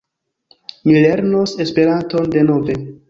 Mi lernos Esperanton denove.